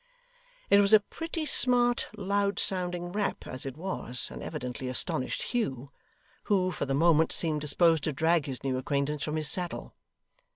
It was a pretty smart, loud sounding rap, as it was, and evidently astonished Hugh; who, for the moment, seemed disposed to drag his new acquaintance from his saddle.